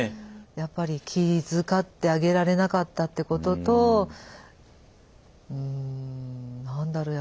やっぱり気遣ってあげられなかったってこととうん何だろう